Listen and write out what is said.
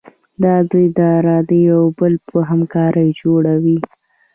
دا اداره د یو بل په همکارۍ جوړه وي.